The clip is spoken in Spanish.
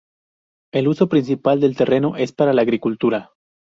El uso principal del terreno es para la agricultura.